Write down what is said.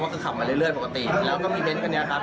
ก็คือขับมาเรื่อยปกติแล้วก็มีเน้นคันนี้ครับ